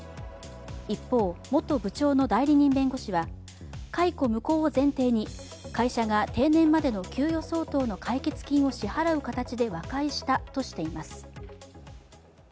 一方、元部長の代理人弁護士は、解雇無効を前提に会社が定年までの給与相当の解決金を支払う形で和解したとしています。